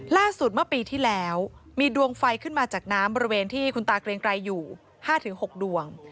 ล่าสุดเมื่อปีที่แล้วมีดวงไฟขึ้นมาจากน้ำบริเวณที่คุณตาเกรงไกรอยู่๕๖ดวง